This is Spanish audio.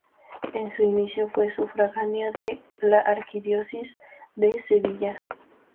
En su inicio fue sufragánea de la arquidiócesis de Sevilla.